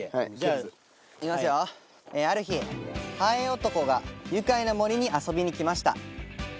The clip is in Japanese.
ある日ハエ男が愉快な森に遊びに来ました